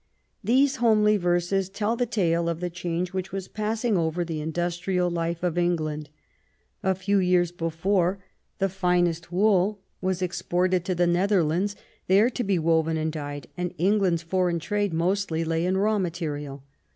These homely verses tell the tale of the change which was passing over the industrial life of England. A few years before, the finest wool was exported to the Netherlands, there to be woven and dyed ; and England's foreign trade mostly lay in raw material.